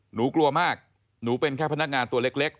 หนูกลัวมากหนูเป็นแค่พนักงานตัวเล็ก